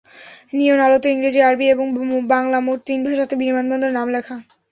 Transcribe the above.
নিয়ন আলোতে ইংরেজি, আরবি এবং বাংলা—মোট তিন ভাষাতে বিমানবন্দরের নাম লেখা।